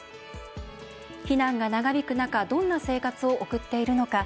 避難が長引く中どんな生活を送っているのか。